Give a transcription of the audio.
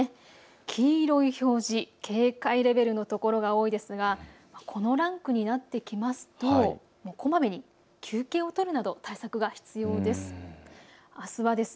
黄色い表示、警戒レベルの所が多いですが、このランクになってきますとこまめに休憩を取るなど対策が必要です。